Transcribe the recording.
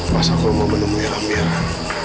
pas aku mau menemui amirah